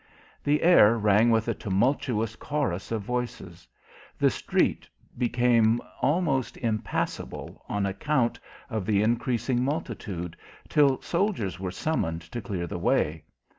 The air rang with a tumultuous chorus of voices. The street became almost impassable on account of the increasing multitude, till soldiers were summoned to clear the way....